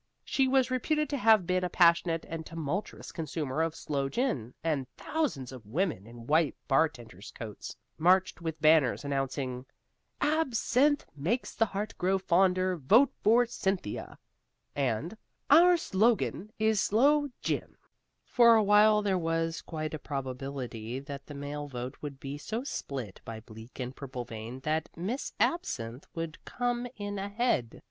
She was reputed to have been a passionate and tumultuous consumer of sloe gin, and thousands of women in white bartenders' coats marched with banners announcing: ABSINTHE MAKES THE HEART GROW FONDER VOTE FOR CYNTHIA and OUR SLOGAN IS SLOE GIN For a while there was quite a probability that the male vote would be so split by Bleak and Purplevein that Miss Absinthe would come in ahead.